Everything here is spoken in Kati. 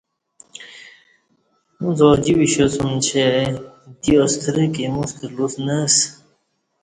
اُݩڅ اوجی وشاسوم چہ دی اوشترک ایموستہ لُوس نہ اسہ